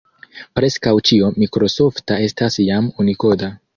Preskaŭ ĉio mikrosofta estas jam unikoda.